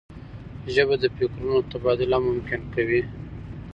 ژبه د فکرونو تبادله ممکن کوي